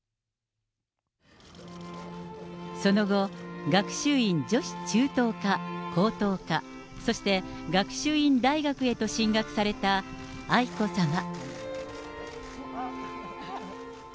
その後、学習院女子中等科、高等科、そして学習院大学へと進学された愛子さま。